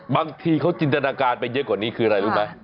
บางทีเขาจินตนาการไปเยอะกว่านี้คืออะไรรู้ไหม